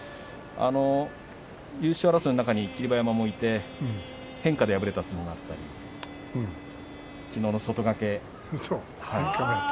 優勝争いの中に霧馬山もいて変化で敗れた相撲があってきのうの外掛け。